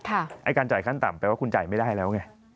ไอ้การจ่ายขั้นต่ำแปลว่าคุณจ่ายไม่ได้แล้วไง